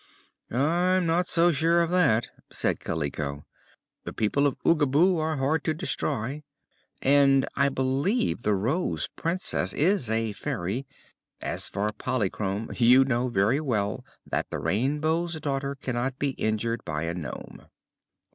"I'm not so sure of that," said Kaliko. "The people of Oogaboo are hard to destroy, and I believe the Rose Princess is a fairy. As for Polychrome, you know very well that the Rainbow's Daughter cannot be injured by a nome."